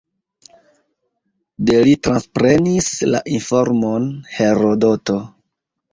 De li transprenis la informon Herodoto.